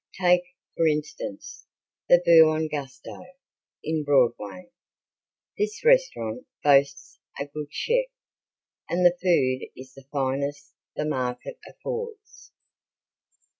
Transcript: Take, for instance, the Buon Gusto, in Broadway. This restaurant boasts a good chef, and the food is the finest the market affords.